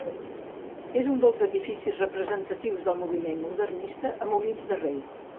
És un dels edificis representatius del moviment modernista a Molins de Rei.